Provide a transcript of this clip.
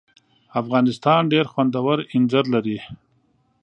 افغانستان ډېر خوندور اینځر لري.